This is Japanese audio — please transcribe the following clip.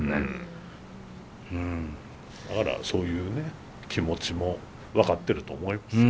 だからそういうね気持ちも分かってると思いますよ